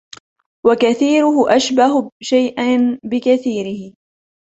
وَكَثِيرَهُ أَشْبَهُ شَيْءٍ بِكَثِيرِهِ